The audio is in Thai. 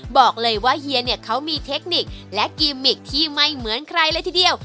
บอกเลยว่าเฮียเนี่ยเขามีเทคนิคและกิมมิกที่ไม่เหมือนใครเลยทีเดียว